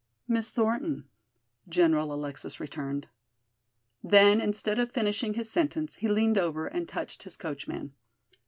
"Miss Thornton," General Alexis returned. Then instead of finishing his sentence he leaned over and touched his coachman.